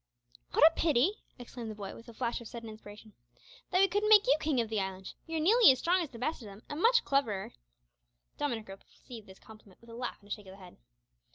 "What a pity," exclaimed the boy, with a flush of sudden inspiration, "that we couldn't make you king of the island! You're nearly as strong as the best of them, and much cleverer." Dominick received this compliment with a laugh and a shake of the head.